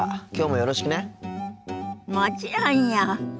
もちろんよ。